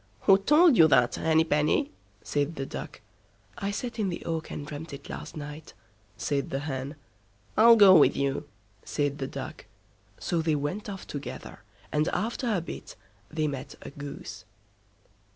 "Who told you that, Henny Penny?" said the Duck. "I sat in the oak and dreamt it last night", said the Hen. "I'll go with you", said the Duck. So they went off together, and after a bit they met a Goose.